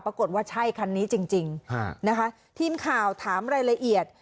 ปรากฏว่าใช่คันนี้จริงนะคะทีมข่าวถามรายละเอียด